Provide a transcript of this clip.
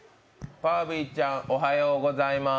ファービーちゃんおはようございます。